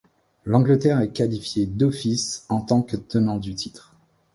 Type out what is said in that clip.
L'Angleterre est qualifiée d'office en tant que tenant du titre.